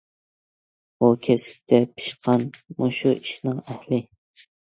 « ئۇ كەسىپتە پىشقان، مۇشۇ ئىشنىڭ ئەھلى».